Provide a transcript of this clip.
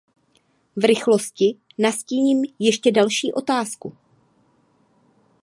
V rychlosti nastíním ještě další otázku.